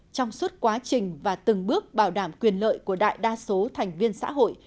trong suốt quá trình và từng bước bảo đảm quyền lợi của đại đa số thành viên xã hội